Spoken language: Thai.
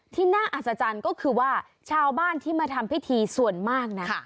ที่น่าอัศจรรย์ก็คือว่าชาวบ้านที่มาทำพิธีส่วนมากนะ